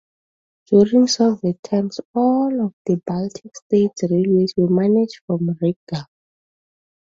During Soviet times all of the Baltic states railways were managed from Riga.